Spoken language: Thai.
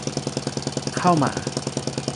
เข้ามา